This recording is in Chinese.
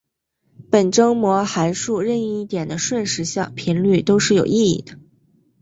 本征模函数任意一点的瞬时频率都是有意义的。